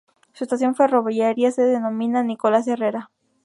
Su estación ferroviaria se denomina "Nicolás Herrera".